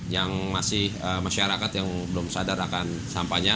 yang masih masyarakat yang belum sadar akan sampahnya